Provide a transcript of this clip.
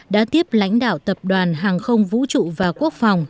đã tiếp lãnh đạo tập đoàn hàng không vũ trụ và quốc phòng